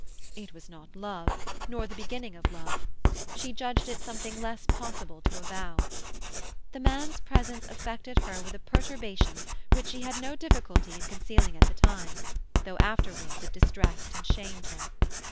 It was not love, nor the beginning of love; she judged it something less possible to avow. The man's presence affected her with a perturbation which she had no difficulty in concealing at the time, though afterwards it distressed and shamed her.